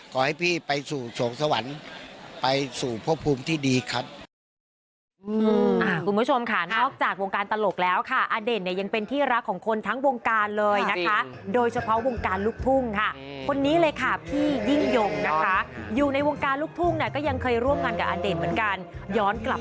ขอให้พี่ไปสู่สวงสวรรค์ไปสู่พระภูมิที่ดีครับ